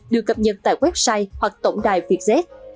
được cập nhật tại website hoặc tổng đài vietjet